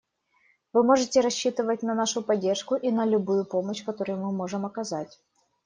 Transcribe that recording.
Вы можете рассчитывать на нашу поддержку и на любую помощь, которую мы можем оказать.